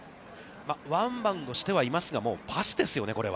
ワンバウンドしてはいますが、もうパスですよね、これは。